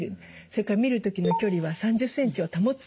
それから見る時の距離は３０ｃｍを保つ。